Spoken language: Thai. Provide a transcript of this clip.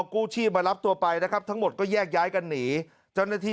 กู้ชีพมารับตัวไปนะครับทั้งหมดก็แยกย้ายกันหนีเจ้าหน้าที่